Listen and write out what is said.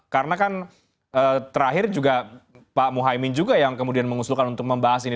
karena kan terakhir juga pak muhaymin juga yang kemudian mengusulkan untuk membahas ini